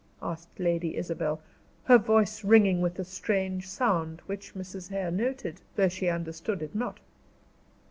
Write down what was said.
asked Lady Isabel, her voice ringing with a strange sound, which Mrs. Hare noted, though she understood it not.